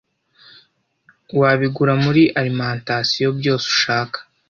wabigura muri Alimentation byose ushaka